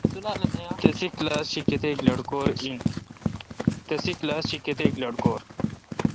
تسے°کلاس شی کتیک لٹکور۔